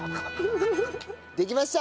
できました。